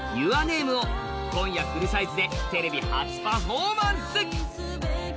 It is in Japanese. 「ＹｏｕｒＮａｍｅ」を今夜フルサイズでテレビ初パフォーマンス。